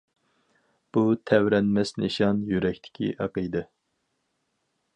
بۇ تەۋرەنمەس نىشان، يۈرەكتىكى ئەقىدە.